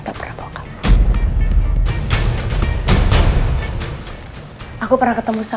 tapi gimana kamu akan mengangkat mereka